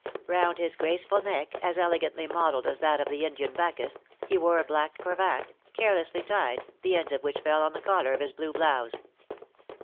Round his graceful neck, as elegantly modelled as that of the Indian Bacchus, he wore a black cravat, carelessly tied, the ends of which fell on the collar of his blue blouse.